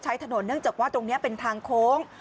ใช้ถนนเนื่องจากว่าตรงนี้เป็นทางโค้ง